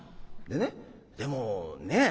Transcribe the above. でねでもねえ